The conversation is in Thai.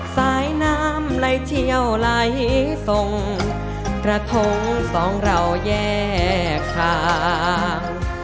สายน้ำไหลเชี่ยวไหลส่งกระทงสองเราแยกทาง